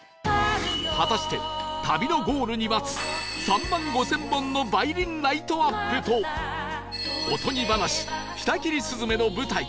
果たして旅のゴールに待つ３万５０００本の梅林ライトアップとおとぎ話『舌切り雀』の舞台